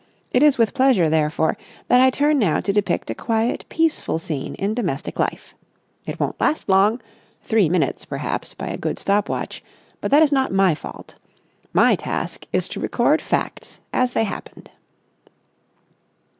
It is with pleasure, therefore, that I turn now to depict a quiet, peaceful scene in domestic life. It won't last long—three minutes, perhaps, by a good stop watch—but that is not my fault. My task is to record facts as they happened.